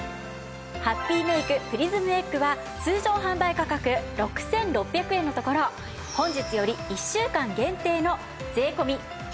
ハッピーメイクプリズムエッグは通常販売価格６６００円のところ本日より１週間限定の税込４９９０円です！